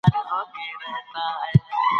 ډاکټره هیر وايي، پاڅېږئ او نیم ساعت بل څه وکړئ.